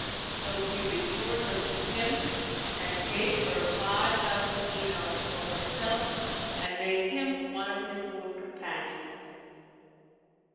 So he restored her to him and gave her five thousand dinars for herself and made him one of his boon companions.